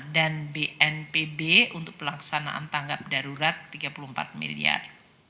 dan bnpb untuk pelaksanaan tanggap darurat rp tiga puluh empat miliar